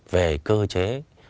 về cơ chế